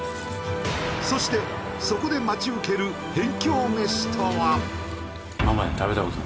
そしてそこで待ち受ける辺境飯とは？